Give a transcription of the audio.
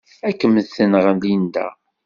Ad kem-tenɣ Linda.